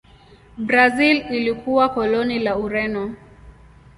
Brazil ilikuwa koloni la Ureno.